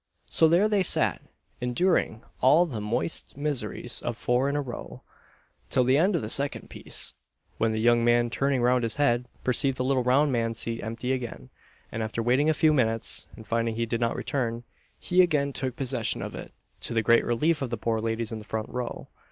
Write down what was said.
So there they sat, enduring all the moist miseries of four in a row, till the end of the second piece; when the young man, turning round his head, perceived the little round man's seat empty again; and, after waiting a few minutes, and finding he did not return, he again took possession of it, to the great relief of the poor ladies in the front row.